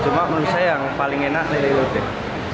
cuma menurut saya yang paling enak lele logay